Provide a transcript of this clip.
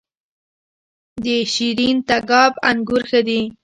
د شیرین تګاب انګور ښه دي